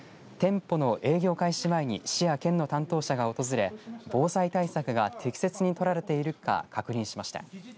店舗の営業開始前市や県の担当者が訪れ防災対策が適切に取られているか確認しました。